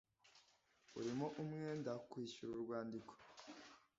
urimo umwenda kwishyura urwandiko